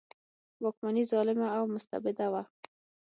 واکمني ظالمه او مستبده وه.